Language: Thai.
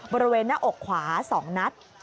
บริเวณหน้าอกขวา๒นัด